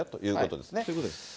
そういうことです。